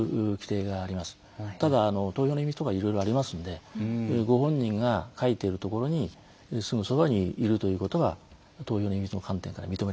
ただ投票の秘密とかいろいろありますのでご本人が書いているところにすぐそばにいるということは投票の秘密の観点から認められないと。